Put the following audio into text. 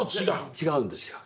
違うんですよ。